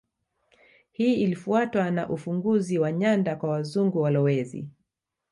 Hii ilifuatwa na ufunguzi wa nyanda kwa Wazungu walowezi